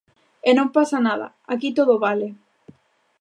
E non pasa nada, aquí todo vale.